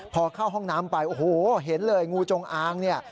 พอเข้าห้องน้ำไปโอ้โหเห็นเลยงูจงอางเนี่ย